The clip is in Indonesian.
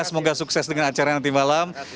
semoga sukses dengan acara nanti malam